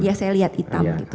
iya saya lihat hitam gitu